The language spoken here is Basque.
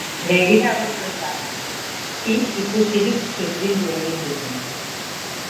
Begira goiko izarrak: hi ikusirik zurbildu egin ditun.